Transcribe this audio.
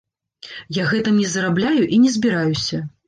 Я гэтым не зарабляю і не збіраюся.